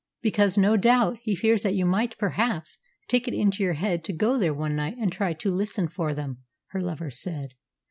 "Because, no doubt, he fears that you might perhaps take it into your head to go there one night and try to listen for them," her lover said.